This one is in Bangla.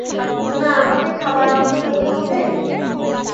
না আমাকে খাবার আনতে যেতে হবে?